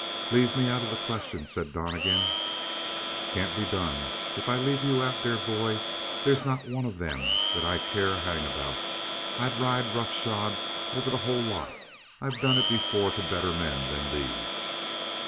"Leave me out of the question," said Donnegan. "Can't be done. If I leave you out, dear boy, there's not one of them that I care a hang about; I'd ride roughshod over the whole lot. I've done it before to better men than these!"